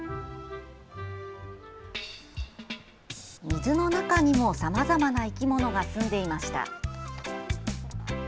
水の中にも、さまざまな生き物がすんでいました。